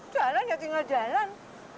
jalan ya tinggal jalan